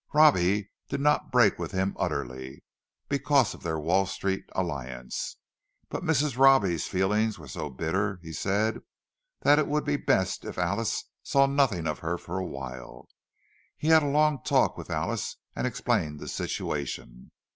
Robbie did not break with him utterly, because of their Wall Street Alliance; but Mrs. Robbie's feeling was so bitter, he said, that it would be best if Alice saw nothing of her for a while. He had a long talk with Alice, and explained the situation.